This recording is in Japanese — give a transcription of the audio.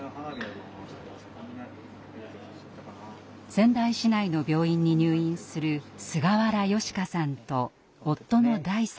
仙台市内の病院に入院する菅原嘉花さんと夫の大さん。